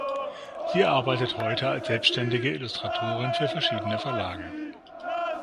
Sie arbeitet heute als selbstständige Illustratorin für verschiedene Verlage.